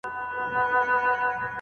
د کومي ميرمني په ليدلو خاوند خوشاليږي؟